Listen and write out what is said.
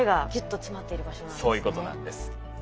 そういうことなんです。